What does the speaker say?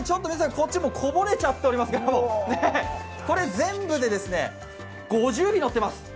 こっちもうこぼれちゃっていますけど、これ全部で５０尾のっています。